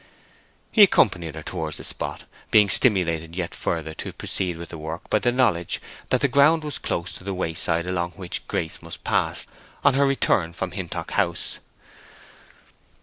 He accompanied her towards the spot, being stimulated yet further to proceed with the work by the knowledge that the ground was close to the way side along which Grace must pass on her return from Hintock House.